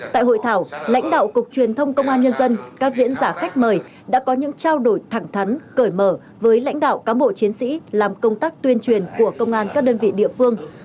tại hội thảo lãnh đạo cục truyền thông công an nhân dân các diễn giả khách mời đã có những trao đổi thẳng thắn cởi mở với lãnh đạo cán bộ chiến sĩ làm công tác tuyên truyền của công an các đơn vị địa phương